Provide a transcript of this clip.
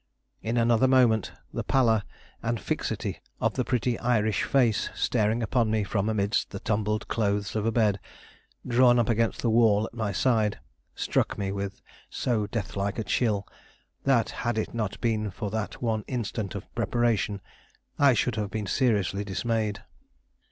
In another moment, the pallor and fixity of the pretty Irish face staring upon me from amidst the tumbled clothes of a bed, drawn up against the wall at my side, struck me with so deathlike a chill that, had it not been for that one instant of preparation, I should have been seriously dismayed.